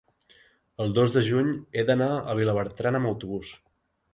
el dos de juny he d'anar a Vilabertran amb autobús.